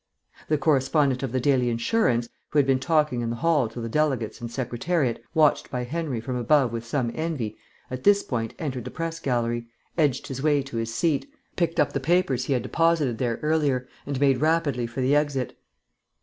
The correspondent of the Daily Insurance, who had been talking in the hall to the delegates and Secretariat, watched by Henry from above with some envy, at this point entered the Press Gallery, edged his way to his seat, picked up the papers he had deposited there earlier, and made rapidly for the exit.